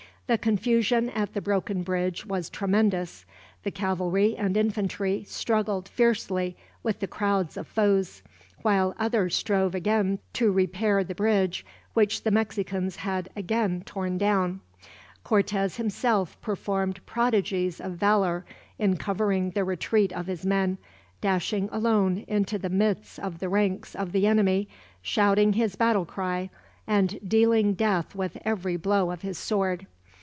The confusion at the broken bridge was tremendous. The cavalry and infantry struggled fiercely with the crowds of foes, while others strove again to repair the bridge which the Mexicans had again torn down. Cortez himself performed prodigies of valor in covering the retreat of his men, dashing alone into the midst of the ranks of the enemy, shouting his battle cry, and dealing death with every blow of his sword.